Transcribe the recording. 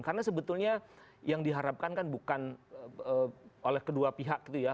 karena sebetulnya yang diharapkan kan bukan oleh kedua pihak gitu ya